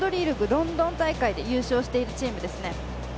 ロンドン大会で優勝しているチームですね。